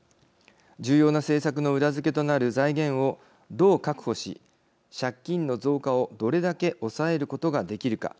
重要な政策の裏付けとなる財源をどう確保し、借金の増加をどれだけ抑えることができるか。